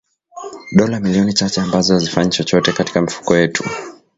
dola milioni chache ambazo hazifanyi chochote katika mifuko yetu